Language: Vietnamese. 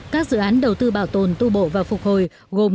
các dự án đầu tư bảo tồn tu bổ và phục hồi gồm